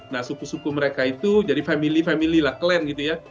nah suku suku mereka itu jadi family family lah clean gitu ya